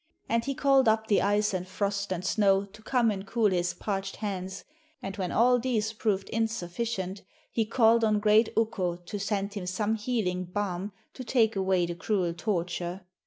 And he called up the ice and frost and snow to come and cool his parched hands, and, when all these proved insufficient, he called on great Ukko to send him some healing balm to take away the cruel torture.